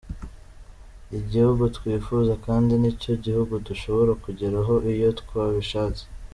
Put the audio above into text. Igihugu twifuza kandi ni cyo gihugu dushobora kugeraho iyo twabishatse.